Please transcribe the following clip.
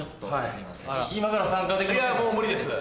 いやもう無理です。